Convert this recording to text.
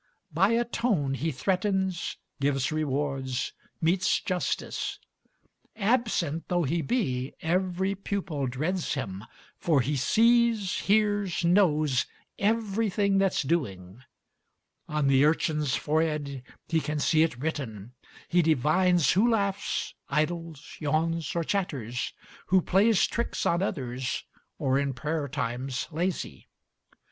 By a tone he threatens, gives rewards, metes justice. Absent though he be, every pupil dreads him, For he sees, hears, knows, everything that's doing. On the urchin's forehead he can see it written. He divines who laughs, idles, yawns, or chatters, Who plays tricks on others, or in prayer time's lazy.